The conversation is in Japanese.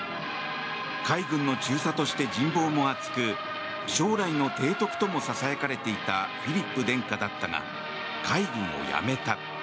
海軍の中佐として人望も厚く将来の提督ともささやかれていたフィリップ殿下だったが海軍を辞めた。